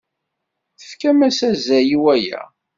Tefkam azal i waya.